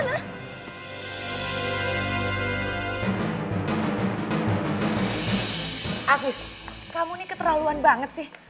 aku kamu ini keterlaluan banget sih